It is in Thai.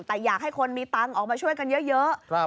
แต่อยากให้คนมีตังค์ออกมาช่วยกันเยอะ